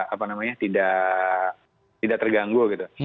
apa namanya tidak terganggu gitu